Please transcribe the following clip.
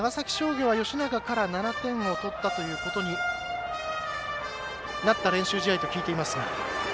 吉永から７点を取ったということになった練習試合と聞いていますが。